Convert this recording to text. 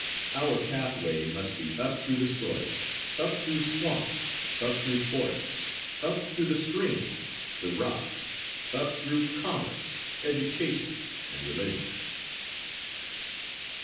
Our pathway must be up through the soil, up through swamps, up through forests, up through the streams, the rocks, up through commerce, education and religion!